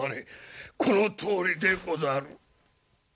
このとおりでござる。